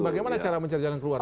bagaimana cara mencari jalan keluar